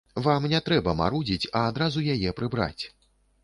Вам не трэба марудзіць, а адразу яе прыбраць.